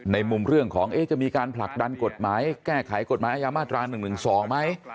ในมุมเรื่องของจะมีการผลักดันกฎหมายแก้ไขกฎหมายอายามาตรา๑๑๒ไหม